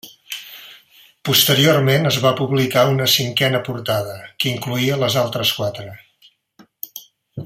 Posteriorment es va publicar una cinquena portada, que incloïa les altres quatre.